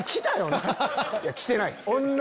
来てないっす。